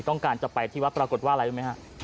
ต้องการจะไปที่วัดปรากฏว่าอะไรรู้ไหมฮะ